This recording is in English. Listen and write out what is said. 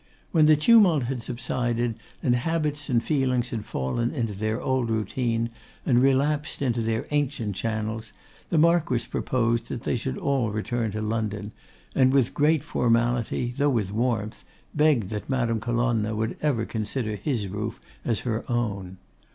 When the tumult had subsided, and habits and feelings had fallen into their old routine and relapsed into their ancient channels, the Marquess proposed that they should all return to London, and with great formality, though with warmth, begged that Madame Colonna would ever consider his roof as her own.